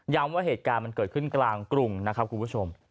ว่าเหตุการณ์มันเกิดขึ้นกลางกรุงนะครับคุณผู้ชม